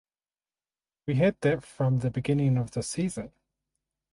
We had that from the beginning of the season.